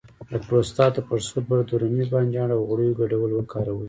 د پروستات د پړسوب لپاره د رومي بانجان او غوړیو ګډول وکاروئ